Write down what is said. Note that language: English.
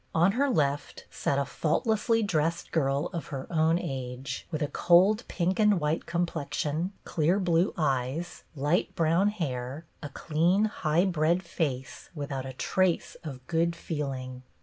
On her left sat a faultlessly dressed girl of her own age, with a cold pink and white complexion, clear blue eyes, light brown hair, a clean, high bred face without a trace of good feeling.